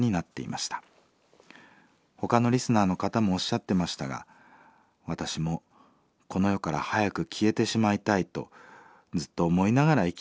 ほかのリスナーの方もおっしゃってましたが私もこの世から早く消えてしまいたいとずっと思いながら生きています。